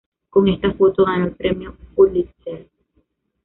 Con esta foto, ganó el premio Pulitzer.